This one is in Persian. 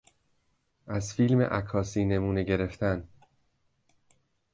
از فیلم عکاسی نمونه گرفتن